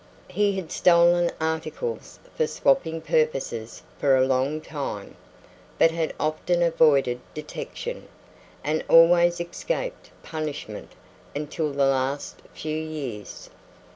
He had stolen articles for swapping purposes for a long time, but had often avoided detection, and always escaped punishment until the last few years.